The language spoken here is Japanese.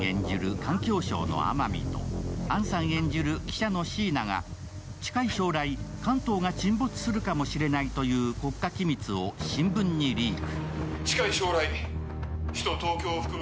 環境省の天海と杏さん演じる記者の椎名が近い将来、関東が沈没するかもしれないという国家機密を新聞にリーク。